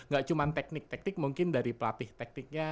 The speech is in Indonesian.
gak cuma teknik teknik mungkin dari pelatih tekniknya